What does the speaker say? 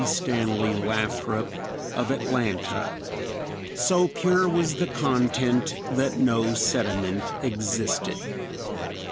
Stanley Lathrop of Atlanta. So pure was the content that no sediment existed.